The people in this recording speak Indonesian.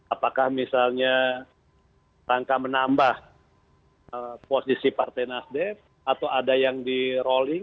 apakah misalnya rangka menambah posisi partai nasdem atau ada yang di rolling